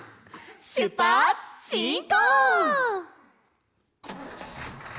しゅっぱつしんこう！